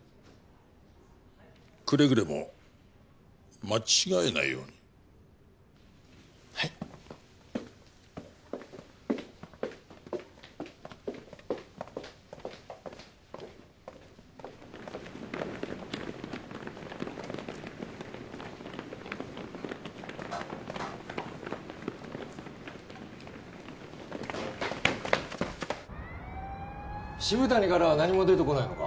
くれぐれも間違えないようにはい渋谷からは何も出てこないのか？